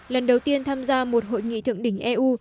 lần đầu tiên tham gia một hội nghị thượng đỉnh eu